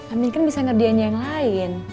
amin kan bisa ngerti aja yang lain